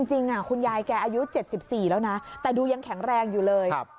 จริงคุณยายแกอายุ๗๔แล้วนะแต่ดูยังแข็งแรงอยู่เลย